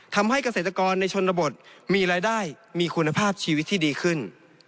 ทำให้เกษตรกรในชนบทมีรายได้มีคุณภาพชีวิตที่ดีขึ้น